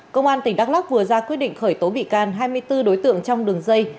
công an tỉnh đắk lắc vừa ra quyết định khởi tố bị can hai mươi bốn đối tượng trong đường dây